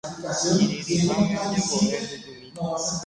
Kirirĩháme añembo'e mbykymi.